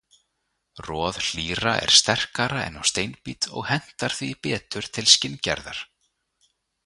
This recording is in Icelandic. Roð hlýra er sterkara en á steinbít og hentar því betur til skinngerðar.